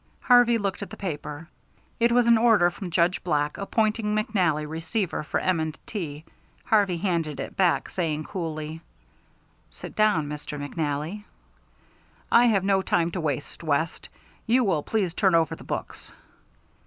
Harvey looked at the paper; it was an order from Judge Black appointing McNally receiver for M. & T. Harvey handed it back, saying, coolly, "Sit down, Mr. McNally." "I have no time to waste, West. You will please turn over the books."